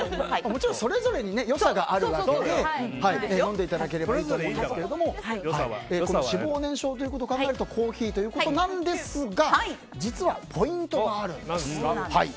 もちろん、それぞれに良さがあるわけで飲んでいただければと思うんですが脂肪燃焼ということを考えるとコーヒーということなんですが実はポイントがあるんです。